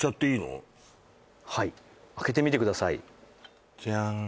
はい開けてみてくださいジャーン！